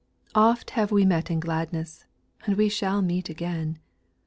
Oft have we met in gladness, And we shall meet again.